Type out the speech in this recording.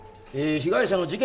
被害者の事件